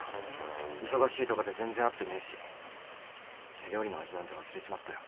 忙しいとかで全然会ってねえし手料理の味なんて忘れちまったよ。